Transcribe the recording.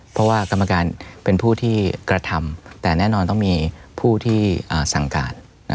เพราะว่ากรรมการเป็นผู้ที่กระทำแต่แน่นอนต้องมีผู้ที่สั่งการ